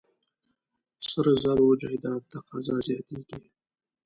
سرو زرو جایداد تقاضا زیاتېږي.